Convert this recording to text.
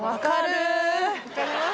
わかります？